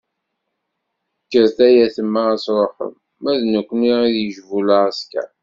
Kkret ay ayetma ad truḥem, ma d nekkni ad d-yejbu lɛesker.